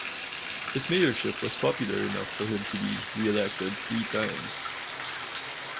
His mayorship was popular enough for him to be re-elected three times.